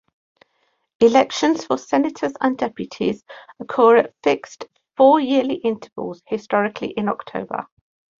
Elections for Senators and Deputies occur at fixed four-yearly intervals, historically in October.